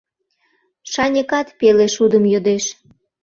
Шаньыкат пеле шудым йодеш.